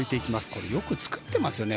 これよく作ってますよね。